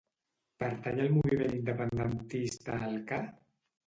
Pertany al moviment independentista el Ca?